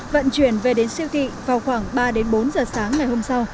vận chuyển về đến siêu thị vào khoảng ba bốn h sáng ngày hôm